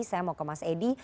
saya mau ke mas edi